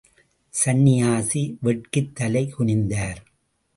சந்நியாசி வெட்கித்தலை குனிந்தார்.